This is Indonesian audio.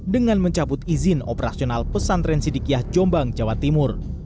dengan mencabut izin operasional pesantren sidikiyah jombang jawa timur